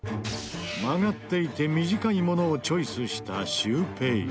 曲がっていて短いものをチョイスしたシュウペイ。